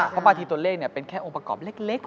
เพราะบางทีตัวเลขเป็นแค่องค์ประกอบเล็ก